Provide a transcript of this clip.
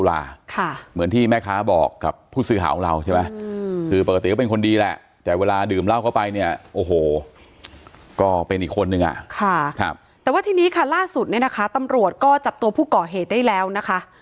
ก็เป็นอีกคนนึงอ่ะแต่ว่าที่นี้ล่าสุดตำรวจก็จับตัวผู้เกาะเหตุได้แล้วนะคะ